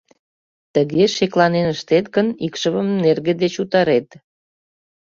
Тыге шекланен ыштет гын, икшывым нерге деч утарет.